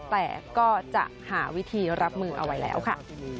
แต่ก็จะหาวิธีรับมือเอาไว้แล้วค่ะ